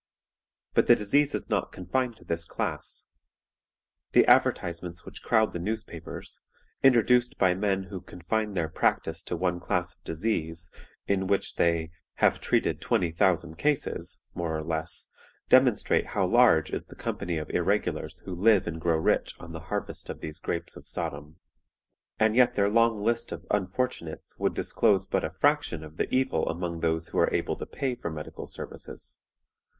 "But the disease is not confined to this class. The advertisements which crowd the newspapers, introduced by men who 'confine their practice to one class of disease, in which' they 'have treated twenty thousand cases,' more or less, demonstrate how large is the company of irregulars who live and grow rich on the harvest of these grapes of Sodom. And yet their long list of 'unfortunates' would disclose but a fraction of the evil among those who are able to pay for medical services.